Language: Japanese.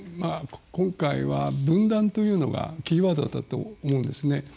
今回は分断というのがキーワードだったと思うんですね。